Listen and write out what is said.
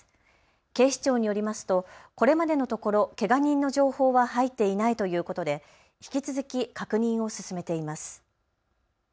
警視庁によりますとこれまでのところ、けが人の情報は入っていないということで引き続き確認を進めています。